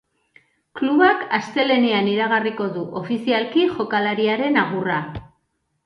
Klubak astelehenean iragarriko du, ofizialki, jokalariaren agurra.